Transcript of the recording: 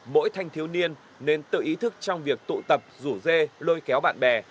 mỗi thanh thiếu niên nên tự ý thức trong việc tụ tập rủ dê lôi kéo bạn bè